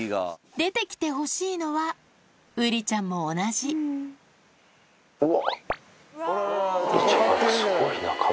出て来てほしいのはウリちゃんも同じうわ。